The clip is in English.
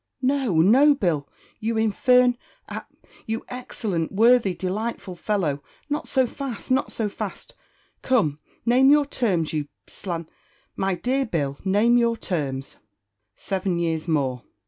"No, no, Bill, you infern a a you excellent, worthy, delightful fellow, not so fast; not so fast. Come, name your terms, you sland my dear Bill, name your terms." "Seven years more."